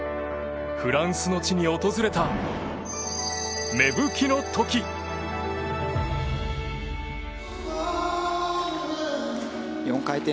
フランスの地に訪れた芽吹きの季節。